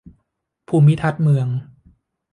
ภูมิทัศน์เมือง